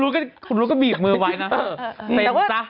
แล้วคนรู้ก็บีบมือไว้นะ